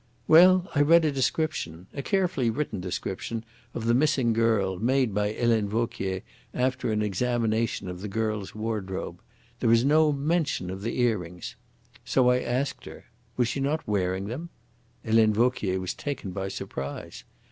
"Well, I read a description a carefully written description of the missing girl, made by Helene Vauquier after an examination of the girl's wardrobe. There is no mention of the earrings. So I asked her 'Was she not wearing them?' Helene Vauquier was taken by surprise.